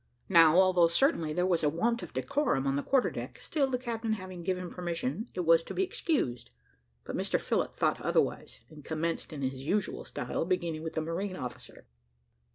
Now, although certainly there was a want of decorum on the quarter deck, still the captain having given permission, it was to be excused, but Mr Phillott thought otherwise, and commenced in his usual style, beginning with the marine officer.